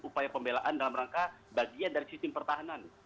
upaya pembelaan dalam rangka bagian dari sistem pertahanan